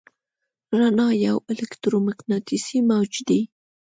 رڼا یو الکترومقناطیسي موج دی.